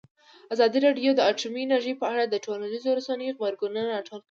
ازادي راډیو د اټومي انرژي په اړه د ټولنیزو رسنیو غبرګونونه راټول کړي.